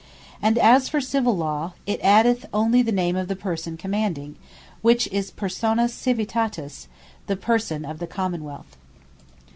And as for Civill Law, it addeth only the name of the person Commanding, which is Persona Civitatis, the Person of the Common wealth.